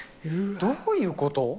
どういうこと？